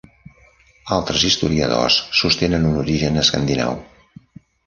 Altres historiadors sostenen un origen escandinau.